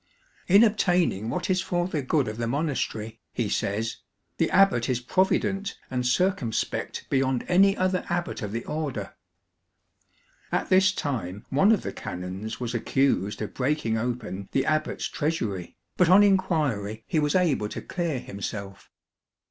" In obtaining what is for the good of the monastery," he says, " the abbot is provident and circumspect beyond any other abbot of the Order." At this time one of the canons was accused of breaking open the abbot's treasury, but on inquiry he was able to clear THE GREATER ABBEYS himself.